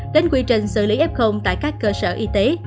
đến quy trình xử lý f tại các cơ sở y tế